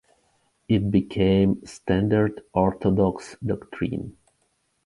It became standard orthodox doctrine.